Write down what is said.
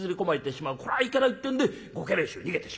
これはいけないってんでご家来衆逃げてしまう。